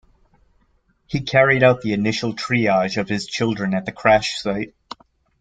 He carried out the initial triage of his children at the crash site.